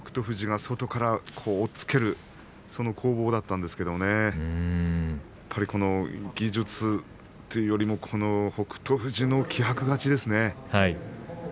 富士が外から押っつけるその攻防だったんですがやっぱり技術というよりも北勝富士の気迫勝ちですね。